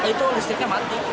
itu listriknya mati